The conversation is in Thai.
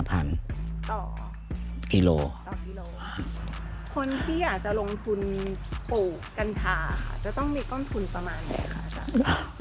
จะต้องมีก้อนทุนประมาณไหนคะ